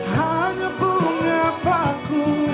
hanya bunga baku